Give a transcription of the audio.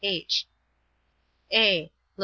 (h) (a) Lev.